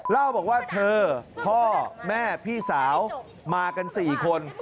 เล่าบอกว่าเธอพ่อแม่พี่สาวมากัน๔คน